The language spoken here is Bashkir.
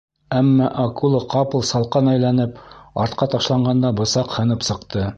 Әммә акула ҡапыл салҡан әйләнеп артҡа ташланғанда бысаҡ һынып сыҡты.